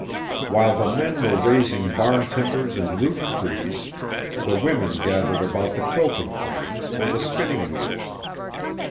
While the men were raising barn timbers and roof trees, the women gathered about the quilting frames or the spinning wheels.